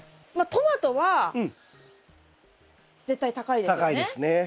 まあトマトは絶対高いですね。